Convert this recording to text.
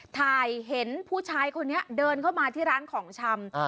เห็นผู้ชายคนนี้เดินเข้ามาที่ร้านของชำ